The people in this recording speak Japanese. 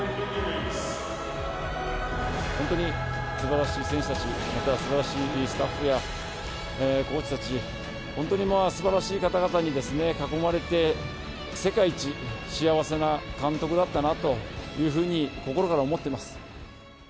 本当にすばらしい選手たち、またすばらしいスタッフやコーチたち、本当にすばらしい方々に囲まれて、世界一幸せな監督だったなというふうに、心から思っています。